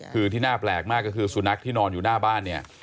คือที่น่าแปลกมากก็คือสุนัขที่นอนอยู่หน้าบ้านเนี่ย